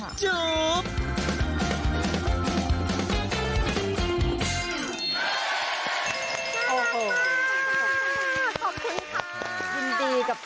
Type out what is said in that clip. พุทธสวัสดีครับค่ะ